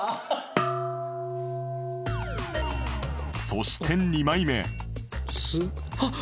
そして２枚目あっ！